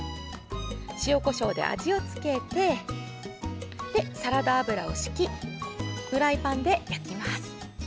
塩、こしょうで味をつけてサラダ油をひきフライパンで焼きます。